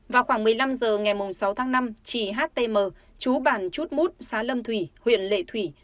vào khoảng một mươi năm h ngày sáu tháng năm chị htm chú bản chút mút xá lâm thủy huyện lệ thủy